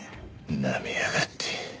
なめやがって。